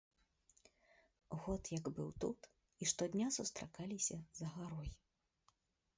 Год як быў тут, і штодня сустракаліся за гарой.